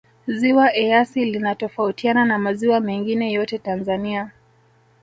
ziwa eyasi linatofautiana na maziwa mengine yote tanzania